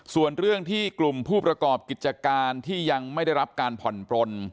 ส่วนเรื่องที่กลุ่มผู้ประกอบกิจการที่ยังไม่ได้รับการผ่อนปลน